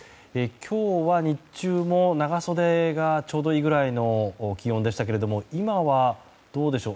今日は日中も長袖がちょうどいいぐらいの気温でしたけども今はどうでしょう。